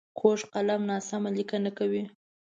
کوږ قلم ناسمه لیکنه کوي